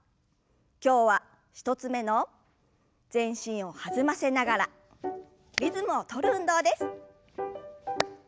今日は１つ目の全身を弾ませながらリズムを取る運動です。